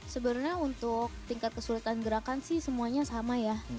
sebenarnya untuk tingkat kesulitan gerakan sih semuanya sama ya